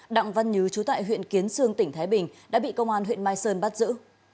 đặng văn nhứ chú tại huyện kiến sương tỉnh thái bình đã bị công an huyện mai sơn bắt giữ